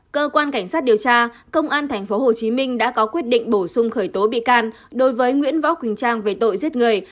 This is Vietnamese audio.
cơ quan cảnh sát điều tra công an tp hcm đã có quyết định bổ sung khởi tố bị can đối với nguyễn võ quỳnh trang về tội giết người